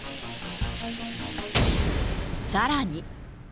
さらに。